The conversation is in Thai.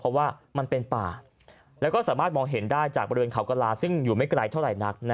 เพราะว่ามันเป็นป่าแล้วก็สามารถมองเห็นได้จากบริเวณเขากระลาซึ่งอยู่ไม่ไกลเท่าไหร่นัก